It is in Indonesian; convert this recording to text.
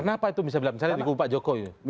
kenapa itu bisa bilang misalnya di kubu pak jokowi